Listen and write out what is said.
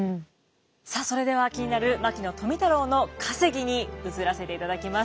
さあそれでは気になる牧野富太郎の稼ぎに移らせていただきます。